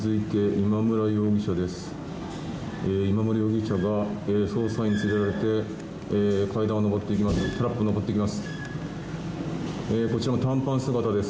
今村容疑者が捜査員に連れられて階段を上っていきます。